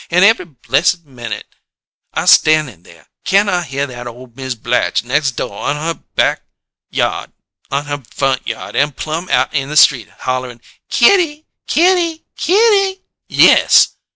An' every blessed minute I stannin' there, can't I hear that ole Miz Blatch nex' do', out in her back yod an' her front yod, an' plum out in the street, hollerin': 'Kitty? Kitty? Kitty?' '_Yes!